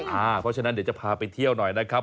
เพราะฉะนั้นเดี๋ยวจะพาไปเที่ยวหน่อยนะครับ